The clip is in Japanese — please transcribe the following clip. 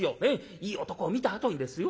いい男を見たあとにですよ